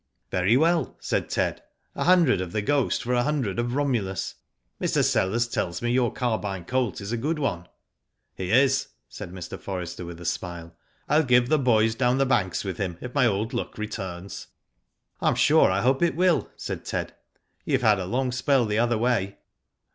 '* "Very well," said Ted. "A hundred of The Ghost for a hundred of Romulus. Mr. Sellers tells me your Carbine colt is a good one." " He is," said Mr. Forrester, with a smile. " TU give the boys down the banks with him if my old luck returns." " I'm sure I hope it will," said Ted. "You have had a long spell the other way."